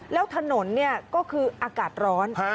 แล้วถนนก็คืออากาศร้อน